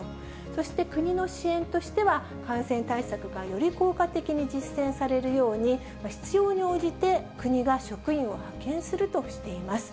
そして、国の支援としては感染対策がより効果的に実践されるように、必要に応じて国が職員を派遣するとしています。